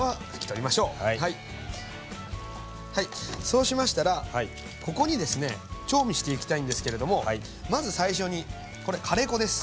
そうしましたらここにですね調味していきたいんですけれどもまず最初にこれカレー粉です。